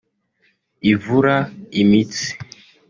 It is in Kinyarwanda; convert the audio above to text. ivura imitsi